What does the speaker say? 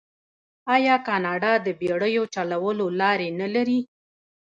آیا کاناډا د بیړیو چلولو لارې نلري؟